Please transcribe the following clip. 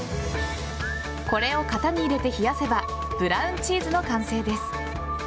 これを型に入れて冷やせばブラウンチーズの完成です。